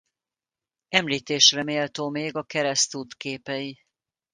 Említésre méltó még a keresztút képei.